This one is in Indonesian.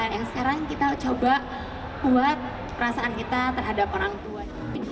yang sekarang kita coba buat perasaan kita terhadap orang tua